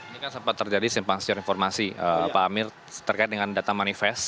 ini kan sempat terjadi simpang siur informasi pak amir terkait dengan data manifest